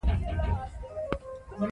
تعلیم د کورني شخړو د هواري وسیله ده.